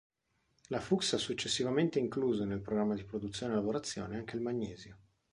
La Fuchs ha successivamente incluso nel programma di produzione e lavorazione anche il magnesio.